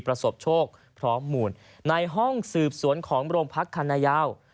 พร้อมหมุนในห้องสืบสวนของโรงพักษณะยาว